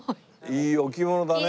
いいお着物だね。